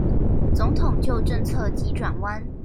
總統就政策急轉彎